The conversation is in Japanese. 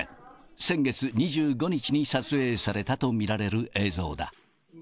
先月２５日に撮影されたと見られる映像だ。